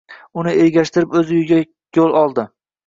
Uni ergashtirib o`z uyiga yo`l oldi